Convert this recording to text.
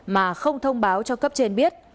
mà không thông báo cho cấp trên biết